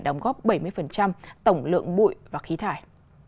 đóng góp bảy mươi tổng lượng bụi và khí thải